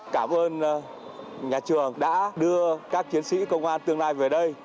cảm ơn nhà trường đã đưa các chiến sĩ công an tương lai về đây